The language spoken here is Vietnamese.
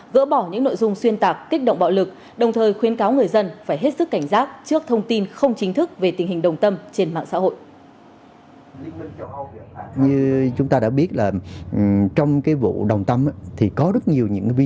gỡ bỏ những nội dung xuyên tạc kích động bạo lực đồng thời khuyến cáo người dân phải hết sức cảnh giác trước thông tin không chính thức về tình hình đồng tâm trên mạng xã hội